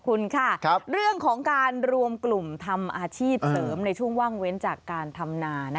คุณค่ะเรื่องของการรวมกลุ่มทำอาชีพเสริมในช่วงว่างเว้นจากการทำนา